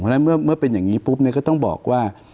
เพราะฉะนั้นเมื่อเป็นอย่างนี้ปุ๊บก็ต้องบอกว่า